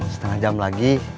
setengah jam lagi